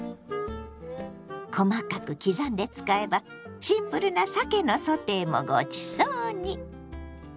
細かく刻んで使えばシンプルなさけのソテーもごちそうに！